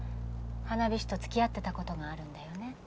花火師とつきあってたことがあるんだよね？